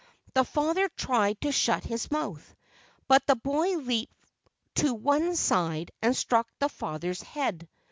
The father tried to shut his mouth, but the boy leaped to one side and struck the father's head.